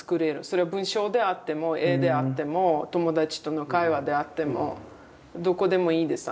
それは文章であっても絵であっても友達との会話であってもどこでもいいです。